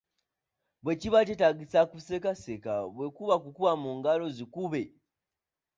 Bwe kiba kyetaagisa okuseka seka, bwe kuba kukuba mu ngalo zikube .